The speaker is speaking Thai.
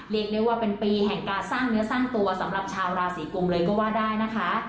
เรียกได้ว่าเป็นปีแห่งการสร้างเนื้อสร้างตัวเลยก็ได้นะคะ